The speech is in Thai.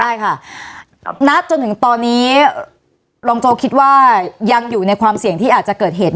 ได้ค่ะณจนถึงตอนนี้รองโจคิดว่ายังอยู่ในความเสี่ยงที่อาจจะเกิดเหตุ